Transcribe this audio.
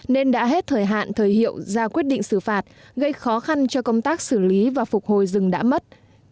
nên đã hết thời hạn thời hiệu ra quyết định xử phạt gây khó khăn cho công tác xử lý và phục hồi rừng đã mất